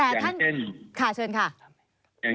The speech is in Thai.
อย่างเช่น